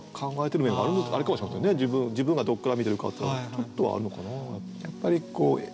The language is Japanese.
自分がどっから見てるかっていうのはちょっとはあるのかな。